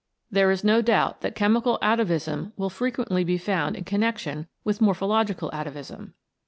There is no doubt that chemical atavism will frequently be found in connection with morphological atavism.